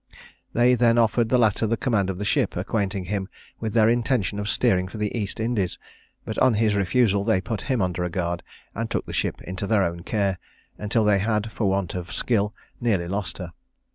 They then offered the latter the command of the ship, acquainting him with their intention of steering for the East Indies; but on his refusal they put him under a guard, and took the ship into their own care, until they had, for want of skill, nearly lost her.